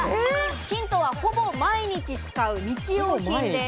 ヒントは、ほぼ毎日使う日用品です。